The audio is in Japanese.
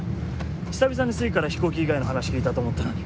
久々に粋から飛行機以外の話聞いたと思ったのに。